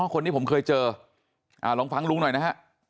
คนนี้ผมเคยเจอลองฟังลุงหน่อยนะฮะ